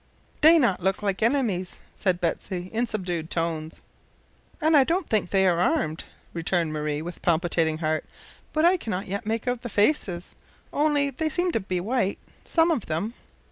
"They not look like enemies," said Betsy in subdued tones. "And I don't think they are armed," returned Marie, with palpitating heart, "but I cannot yet make out the faces only, they seem to be white, some of them."